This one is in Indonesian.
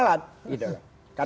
iya anda cari